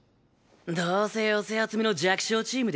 どうせ寄せ集めの弱小チームですよ。